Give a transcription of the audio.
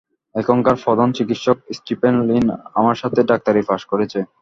এখানকার প্রধান চিকিৎসক স্টিফেন লিন আমার সাথেই ডাক্তারি পাশ করেছে।